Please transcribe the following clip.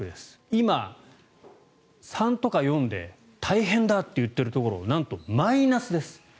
今、３とか４で大変だと言っているところをなんとマイナスです。